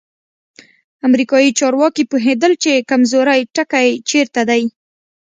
امریکایي چارواکي پوهېدل چې کمزوری ټکی چیرته دی.